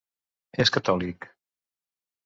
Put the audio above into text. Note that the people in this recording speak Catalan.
És catòlic.